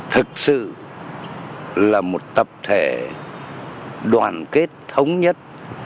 thực sự là một tập thể đoàn kết thống nhất